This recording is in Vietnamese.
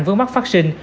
với mắt phát sinh